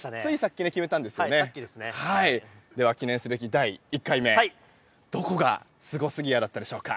では、記念すべき第１回どこがスゴすぎやだったでしょうか？